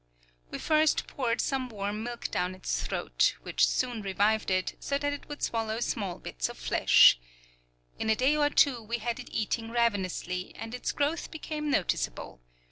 We first poured some warm milk down its throat, which soon revived it, so that it would swallow small bits of flesh. In a day or two we had it eating ravenously, and its growth became noticeable.